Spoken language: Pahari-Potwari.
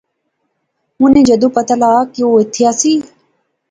انیں جدوں پتہ لغا کہ او ایتھیں ایسی